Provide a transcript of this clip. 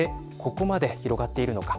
なぜここまで広がっているのか